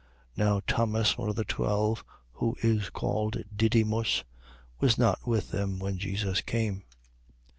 Now Thomas, one of the twelve, who is called Didymus, was not with them when Jesus came.